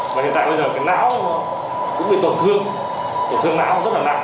và hiện tại bây giờ cái não cũng bị tổn thương tổn thương não rất là nặng